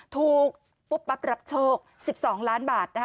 ถูกปุ๊บปั๊บรับโชค๑๒ล้านบาทนะคะ